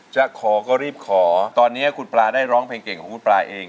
จะขอก็รีบขอตอนนี้คุณปลาได้ร้องเพลงเก่งของคุณปลาเอง